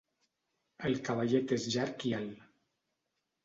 El cavallet és llarg i alt.